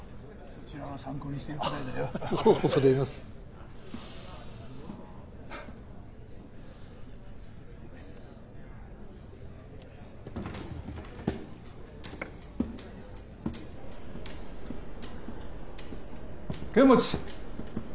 こちらは参考にしていくつもりだ恐れ入ります剣持！